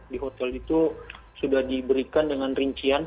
di hotel itu sudah diberikan dengan rincian